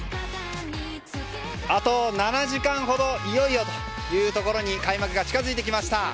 あと７時間ほどいよいよというところに開幕が近づいてきました。